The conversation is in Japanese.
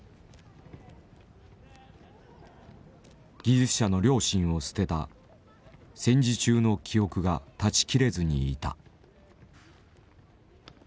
技術者の良心を捨てた戦時中の記憶が断ち切れずにいた。